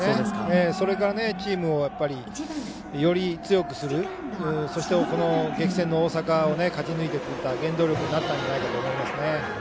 それから、チームをより強くするそして、激戦の大阪を勝ち抜く原動力になったんじゃないかと思いますね。